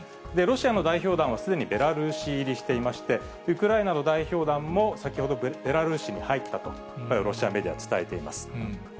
ロシアの代表団はすでにベラルーシ入りしていまして、ウクライナの代表団も、先ほど、ベラルーシに入ったと、ロシアメディア、伝えています。